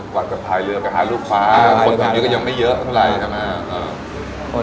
กวัดกับพลายเรือไปหารูปฟ้าคนต้องอยู่ก็ยังไม่เยอะเท่าไหร่ใช่ไหม